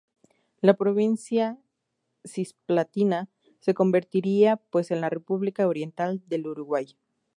La Provincia Cisplatina se convertiría pues en la República Oriental del Uruguay.